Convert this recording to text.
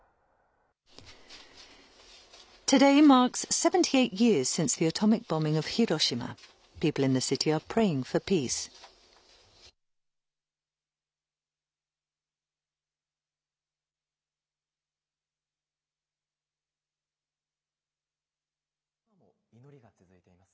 広島では今も祈りが続いています。